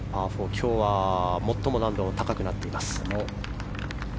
今日は最も難度が高くなっています。